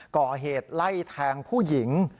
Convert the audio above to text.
ก่อเหตุไล่แทงผู้หญิง